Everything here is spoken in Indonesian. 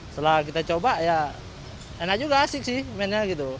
setelah kita coba ya enak juga asik sih mainnya gitu